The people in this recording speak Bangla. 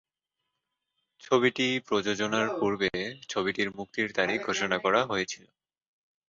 ছবিটি প্রযোজনার পূর্বে ছবিটির মুক্তির তারিখ ঘোষণা করা হয়েছিল।